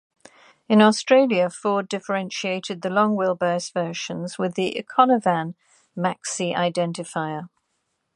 In Australia, Ford differentiated the long-wheelbase versions with the "Econovan Maxi" identifier.